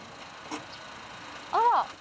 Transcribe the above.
あら！